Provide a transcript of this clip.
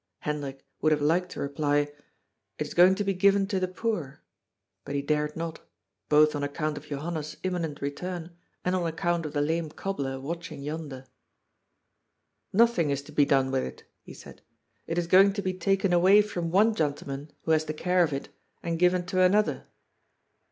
Hendrik would have liked to reply :" It is going to be given to the poor," but he dared not, both on account of Johanna's imminent return, and on account of the lame cobbler watch ing yonder. " Nothing is to be done with it," he said. " It is going to be taken away from one gentleman who has the care of it and given to another."